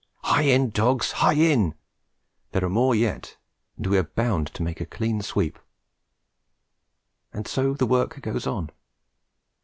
"Hie in, dogs! hie in!" There are more yet, and we are bound to make a clean sweep; and so the work goes on.